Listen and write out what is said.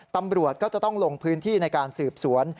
ตำรวจก็จะต้องลงพื้นที่ในการสืบสวน